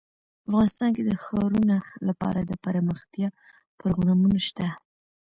افغانستان کې د ښارونه لپاره دپرمختیا پروګرامونه شته.